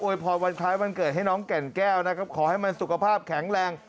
โอยพอร์ดวันคล้ายวันเกิดให้น้องแก่นแก้วขอให้มันสุขภาพแข็งแรง